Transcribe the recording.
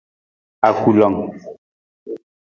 Akulung.